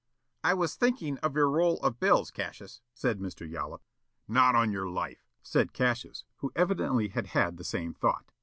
"I was thinking of your roll of bills, Cassius," said Mr. Yollop. "Not on your life," said Cassius, who evidently had had the same thought.